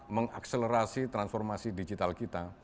mengakselerasi transformasi digital kita